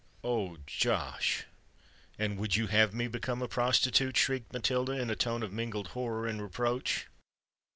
"Oh! Josh—and would you have me become a prostitute?" shrieked Matilda, in a tone of mingled horror and reproach.